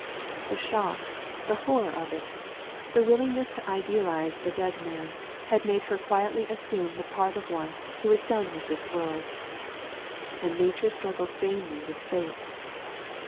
The shock, the horror of it, the willingness to idealize the dead man, had made her quietly assume the part of one who is done with this world. And Nature struggles vainly with Fate.